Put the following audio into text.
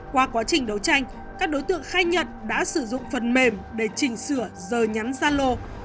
qua quá trình đấu tranh các đối tượng khai nhận đã sử dụng phần mềm để chỉnh sửa giờ nhắn gia lô